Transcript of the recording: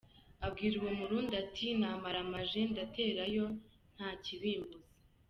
Abwira uwo murundi, ati “Namaramaje ndaterayo ntakibimbuza” .